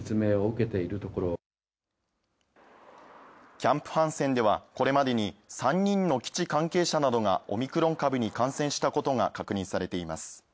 キャンプ・ハンセンではこれまでに３人の基地関係者などがオミクロン株に感染したことが確認されています。